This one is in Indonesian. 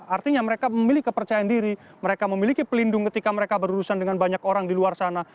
artinya mereka memiliki kepercayaan diri mereka memiliki pelindung ketika mereka berurusan dengan banyak orang di luar sana